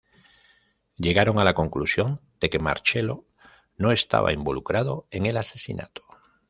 Llegaron a la conclusión de que Marcello no estaba involucrado en el asesinato.